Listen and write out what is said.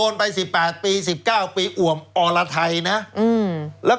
เยอะฮะเพราะเยอะนะครับ